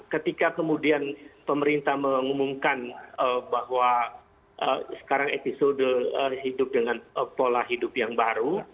ketika kemudian pemerintah mengumumkan bahwa sekarang episode hidup dengan pola hidup yang baru